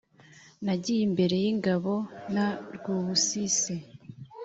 nagiye imbere y'ingabo na rwubusisi